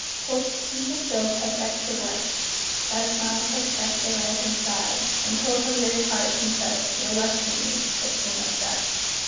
Hopes unfulfilled have vexed her breast, Sad smiles have checked the rising sigh; Until her weary heart confessed, Reluctantly, that she must die.